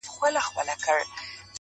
ورته وخاندم او وروسته په ژړا سم٫